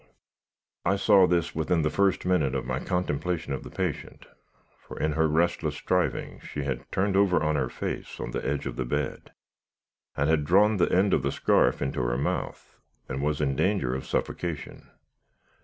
"I saw this within the first minute of my contemplation of the patient; for, in her restless strivings she had turned over on her face on the edge of the bed, had drawn the end of the scarf into her mouth, and was in danger of suffocation.